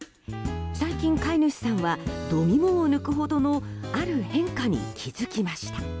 最近、飼い主さんは度肝を抜くほどのある変化に気づきました。